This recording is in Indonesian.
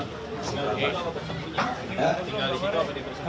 tinggal di situ apa di kekerapat